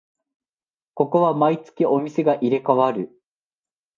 ここは毎月お店が入れ替わる